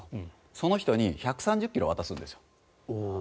その人に１３０ｋｇ渡すんです。